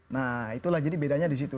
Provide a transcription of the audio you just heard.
nah itulah jadi bedanya disitu